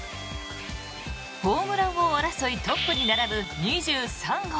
ホームラン王争いトップに並ぶ２３号。